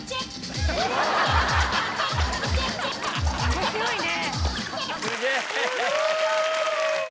面白いね。